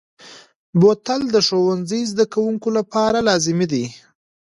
بوتل د ښوونځي زده کوونکو لپاره لازمي دی.